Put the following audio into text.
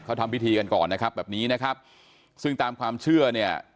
เขาทำพิธีกันก่อนนะครับแบบนี้นะครับซึ่งตามความเชื่อเนี่ย